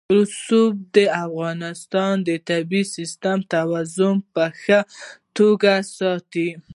رسوب د افغانستان د طبعي سیسټم توازن په ښه توګه ساتي.